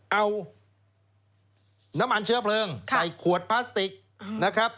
เอาน้ำมันเชื้อเพลิงใส่ขวดพลาสติกนะครับ